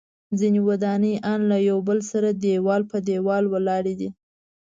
ځینې ودانۍ ان له یو بل سره دیوال په دیوال ولاړې دي.